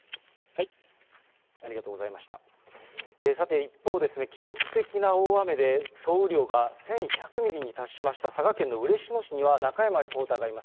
さて一方、記録的な大雨で総雨量が１１００ミリに達しました佐賀県の嬉野市には、中山リポーターがいます。